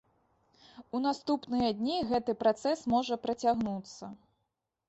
У наступныя дні гэты працэс можа працягнуцца.